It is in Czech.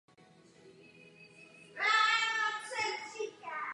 Ve velkých jezerech není dovoleno koupání.